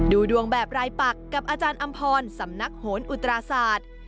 ดูดวงแบบรายปักกับอาจารย์อำพรสำนักโหนอุตราศาสตร์